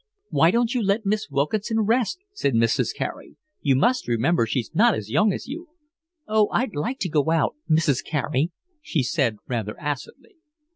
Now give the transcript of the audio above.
"Why don't you let Miss Wilkinson rest?" said Mrs. Carey. "You must remember she's not as young as you." "Oh, I'd like to go out, Mrs. Carey," she said, rather acidly.